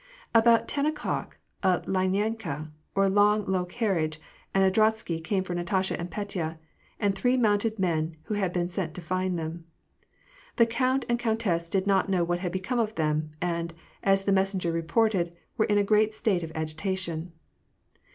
About ten o'clock a lineika, or long, low carriage, and a drozhsky came for Natasha and Petya, and three mounted men, who had been sent to find them. The count and countess did not know what had become of them, and, as the messenger reported, were in a great state of agitation.